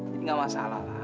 jadi gak masalah lah